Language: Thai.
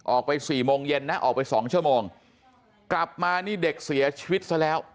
ออกไปสี่โมงเย็นนะออกไปสองชั่วโมงกลับมานี่เด็กเสียชีวิตซะแล้ว